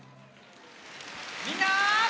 みんな。